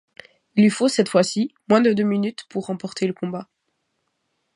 Il lui faut cette fois-ci moins de deux minutes pour remporter le combat.